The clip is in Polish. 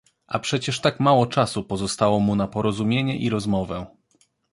A przecież tak mało czasu pozostało mu na porozumienie i rozmowę.